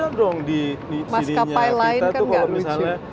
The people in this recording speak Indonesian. harus ada dong di dirinya kita tuh kalau misalnya